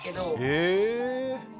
へえ。